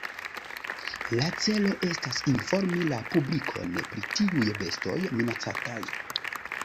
La celo estas informi la publikon pri tiuj bestoj minacataj.